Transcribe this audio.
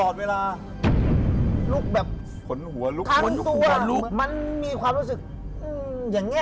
อืนอย่างเนี้ย